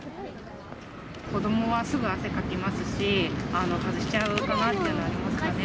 子どもはすぐ汗かきますし、外しちゃうかなっていうのはありますかね。